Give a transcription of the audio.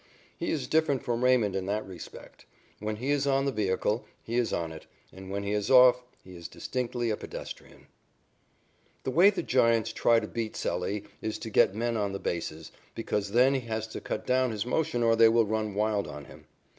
He is different from Raymond in that respect. When he is on the vehicle, he is on it, and, when he is off, he is distinctly a pedestrian. The way the Giants try to beat Sallee is to get men on the bases, because then he has to cut down his motion or they will run wild on him.